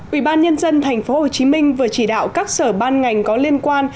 ủy ban nhân dân tp hcm vừa chỉ đạo các sở ban ngành có liên quan